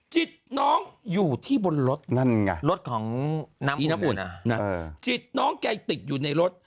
จิตน้องอยู่ที่บนรถนั่นไงรถของน้ำอีน้ำอุ่นจิตน้องแกติดอยู่ในรถ